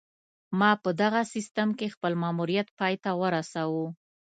ما په دغه سیستم کې خپل ماموریت پای ته ورسوو